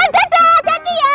eh dah dah jadi ya